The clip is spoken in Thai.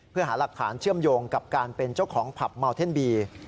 เพื่อหาหลักฐานเชื่อมโยงกับการเป็นเจ้าของผับเมาเท่นบี